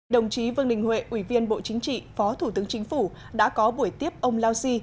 đồng chí vương đình huệ ủy viên bộ chính trị phó thủ tướng chính phủ đã có buổi tiếp ông lao xi